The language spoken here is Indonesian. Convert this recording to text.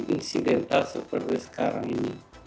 insidental seperti sekarang ini